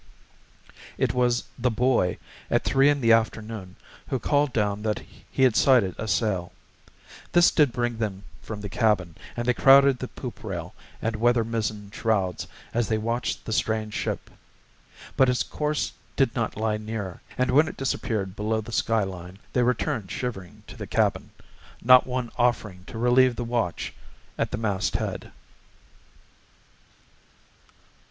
It was the boy, at three in the afternoon, who called down that he had sighted a sail. This did bring them from the cabin, and they crowded the poop rail and weather mizzen shrouds as they watched the strange ship. But its course did not lie near, and when it disappeared below the skyline, they returned shivering to the cabin, not one offering to relieve the watch at the mast head.